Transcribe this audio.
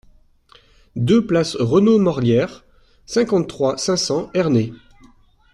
deux place Renault Morlière, cinquante-trois, cinq cents, Ernée